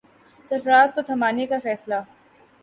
سرفراز کو تھمانے کا فیصلہ ہوا۔